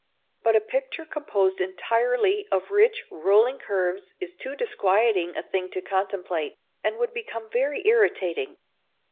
But a picture composed entirely of rich, rolling curves is too disquieting a thing to contemplate, and would become very irritating.